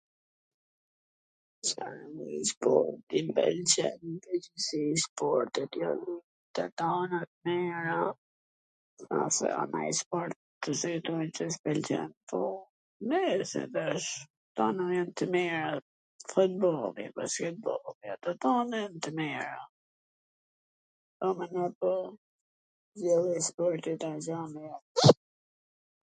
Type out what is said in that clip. sportet jan tw tana t mira, mbase a nanj sport qw s mw pwlqen po, tw tana jan t mira, futbolli, basketbolli, tw tana jan t mira, po mana po, Cdo lloj sporti...